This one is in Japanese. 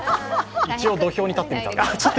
一応、土俵に立ってみた？